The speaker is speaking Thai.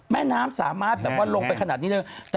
แม่น้ำสามารถลงไปขนาดนี้เลย